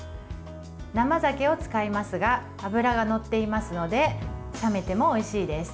生ざけを使いますが脂がのっていますので冷めてもおいしいです。